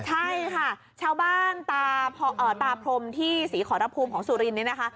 ใช่ค่ะชาวบ้านตาพรมที่ศรีขอรภูมิของสุรินเนี่ยนะคะ